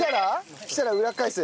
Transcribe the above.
そうしたら裏返す？